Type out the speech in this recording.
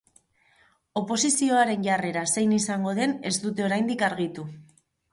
Oposizioaren jarrera zein izango den ez dute oraindik argitu.